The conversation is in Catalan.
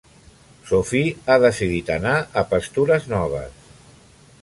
Sophie ha decidit anar a pastures noves.